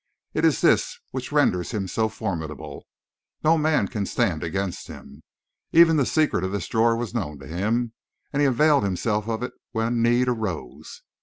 It is this which renders him so formidable. No man can stand against him. Even the secret of this drawer was known to him, and he availed himself of it when need arose."